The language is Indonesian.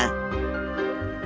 aku akan menolakmu